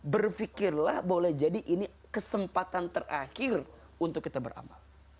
berpikirlah boleh jadi ini kesempatan terakhir untuk kita beramal